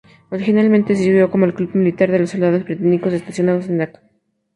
Originalmente sirvió como el club militar de los soldados británicos estacionados en Daca.